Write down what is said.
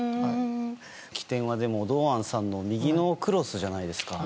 起点は、でも堂安さんの右クロスじゃないですか。